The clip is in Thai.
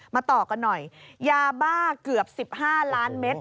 ต่อกันหน่อยยาบ้าเกือบ๑๕ล้านเมตร